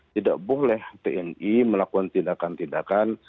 tidak boleh tni melakukan tindakan tindakan